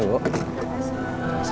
terima kasih ya